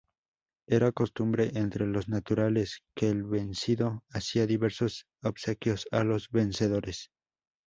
Era costumbre entre los naturales que el vencido hacía diversos obsequios a los vencedores.